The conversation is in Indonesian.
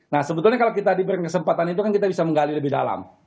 nah sebetulnya kalau kita diberi kesempatan itu kan kita bisa menggali lebih dalam